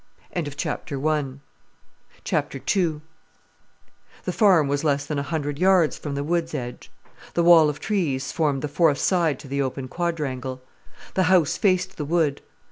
II The farm was less than a hundred yards from the wood's edge. The wall of trees formed the fourth side to the open quadrangle. The house faced the wood.